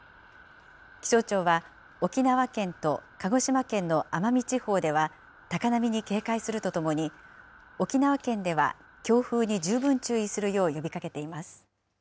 気象庁は、沖縄県と鹿児島県の奄美地方では高波に警戒するとともに、沖縄県では強風に十分注意するよう呼びかけています。